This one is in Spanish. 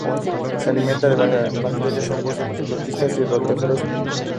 Se alimenta de bacterias, hongos, otros protistas y rotíferos pluricelulares.